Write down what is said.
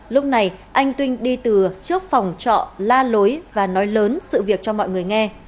lúc này anh tuyên đi từ trước phòng trọ la lối và nói lớn sự việc cho mọi người nghe